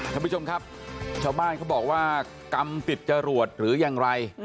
ท่านผู้ชมครับชาวบ้านเขาบอกว่ากรรมติดจรวดหรือยังไร